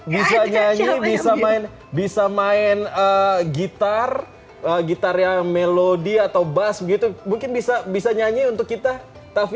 bisa nyanyi bisa main gitar gitarnya melodi atau bass gitu mungkin bisa nyanyi untuk kita taffy